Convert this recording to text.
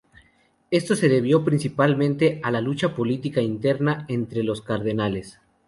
Esto se debió principalmente a la lucha política interna entre los cardenales.